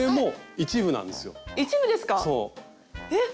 一部ですか⁉えっ